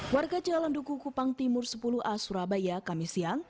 warga jalan duku kupang timur sepuluh a surabaya kami siang